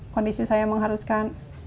kondisi saya mengharuskan